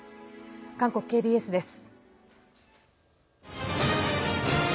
韓国ＫＢＳです。